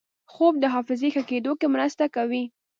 خوب د حافظې ښه کېدو کې مرسته کوي